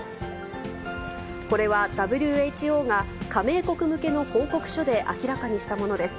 これはＷＨＯが加盟国向けの報告書で明らかにしたものです。